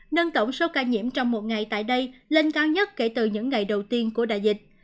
nâng tổng số ca nhiễm trong một ngày tại đây lên cao nhất kể từ những ngày đầu tiên của đại dịch